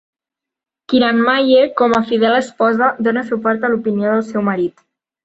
Kiranmayee, com a fidel esposa, dona suport a l'opinió del seu marit.